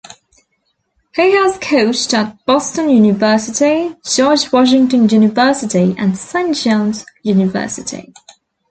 He has coached at Boston University, George Washington University and Saint John's University.